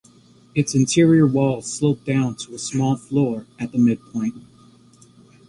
Its interior walls slope down to a small floor at the midpoint.